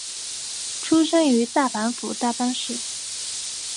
出身于大阪府大阪市。